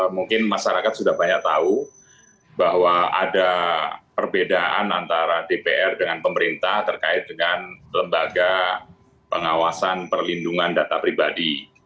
mungkin masyarakat sudah banyak tahu bahwa ada perbedaan antara dpr dengan pemerintah terkait dengan lembaga pengawasan perlindungan data pribadi